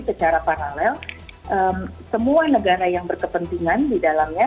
secara paralel semua negara yang berkepentingan di dalamnya